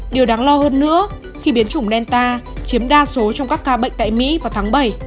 điều đáng lo hơn nữa khi biến chủng delta chiếm đa số trong các ca bệnh tại mỹ vào tháng bảy